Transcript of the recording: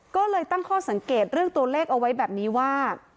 ก็เลยตั้งข้อสังเกตเรื่องตัวเลขเอาไว้แบบนี้ว่า